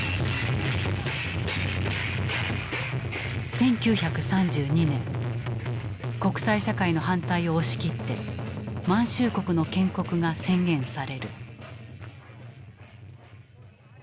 １９３２年国際社会の反対を押し切って「満州国」の建国が宣言される。